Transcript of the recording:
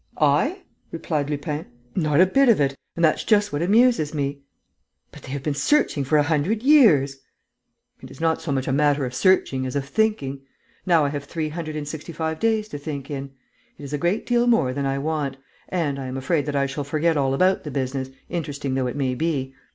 "I?" replied Lupin. "Not a bit of it! And that's just what amuses me." "But they have been searching for a hundred years!" "It is not so much a matter of searching as of thinking. Now I have three hundred and sixty five days to think in. It is a great deal more than I want; and I am afraid that I shall forget all about the business, interesting though it may be.